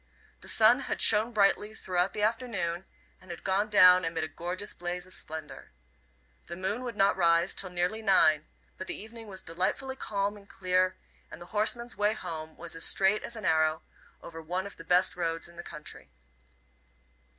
The sun had shone brightly throughout the afternoon, and had gone down amid a gorgeous blaze of splendour. The moon would not rise till nearly nine, but the evening was delightfully calm and clear, and the horseman's way home was as straight as an arrow, over one of the best roads in the country.